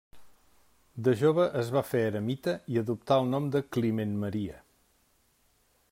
De jove es va fer eremita i adoptà el nom de Climent Maria.